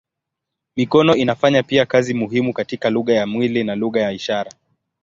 Mikono inafanya pia kazi muhimu katika lugha ya mwili na lugha ya ishara.